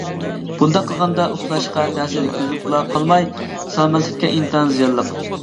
بۇنداق قىلغاندا ئۇخلاشقا تەسىر يەتكۈزۈپلا قالماي سالامەتلىككە ئىنتايىن زىيانلىق.